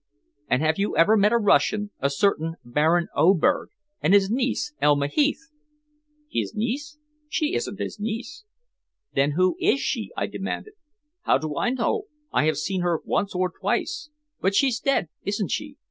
"And have you ever met a Russian a certain Baron Oberg and his niece, Elma Heath?" "His niece? She isn't his niece." "Then who is she?" I demanded. "How do I know? I have seen her once or twice. But she's dead, isn't she?